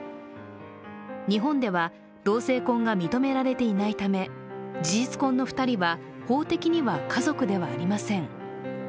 日本では同性婚が認められていないため事実婚の２人は法的には家族ではありません。